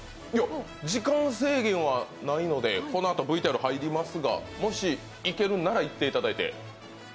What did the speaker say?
時間制限はないのでこのあとＶＴＲ入りますが、もしいけるんなら、いっていただいて。